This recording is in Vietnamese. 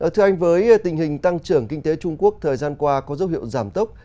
thưa anh với tình hình tăng trưởng kinh tế trung quốc thời gian qua có dấu hiệu giảm tốc